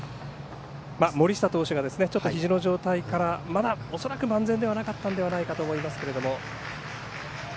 森下投手、ひじの状態がまだ恐らく万全ではなかったのではないかと思いますけど。